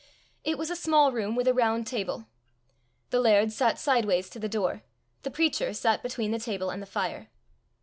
It was a small room with a round table. The laird sat sideways to the door; the preacher sat between the table and the fire.